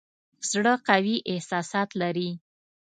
زړه قوي احساسات لري.